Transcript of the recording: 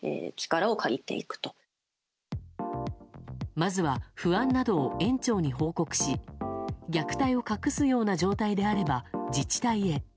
まずは不安などを園長に報告し虐待を隠すような状態であれば自治体へ。